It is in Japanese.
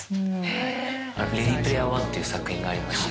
『レディ・プレイヤー１』っていう作品ありまして。